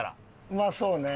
うまそうね。